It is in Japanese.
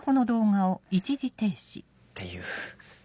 っていう。